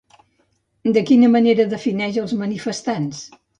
De quina manera defineix els manifestants?